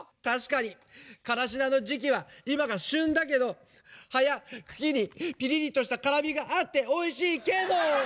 たしかにからしなのじきはいまが旬だけどはやくきにピリリとしたからみがあっておいしいけど！